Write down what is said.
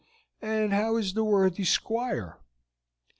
"And how is the worthy squire?"